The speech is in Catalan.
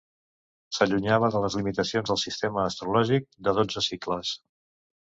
S'allunyava de les limitacions del sistema astrològic de dotze cicles.